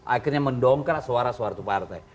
akhirnya mendongkar suara suara tupartek